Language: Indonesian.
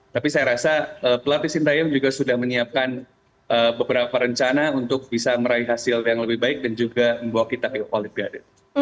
tapi saya rasa pelatih sintayong juga sudah menyiapkan beberapa rencana untuk bisa meraih hasil yang lebih baik dan juga membawa kita ke olimpiade